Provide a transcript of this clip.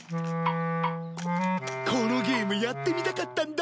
このゲームやってみたかったんだ。